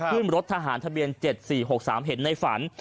ขึ้นรถทหารทะเบียน๗๔๖๓เห็นในฝัน